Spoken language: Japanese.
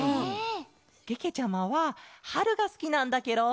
けけちゃまははるがすきなんだケロ！